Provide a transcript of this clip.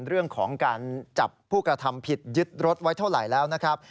เรื่องของการจับผู้กระทำผิดยึดรถไว้เท่าไหร่แล้วนะครับ